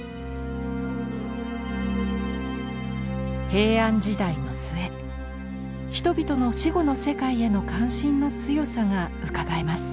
平安時代の末人々の死後の世界への関心の強さがうかがえます。